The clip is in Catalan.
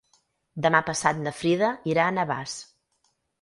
Demà passat na Frida irà a Navàs.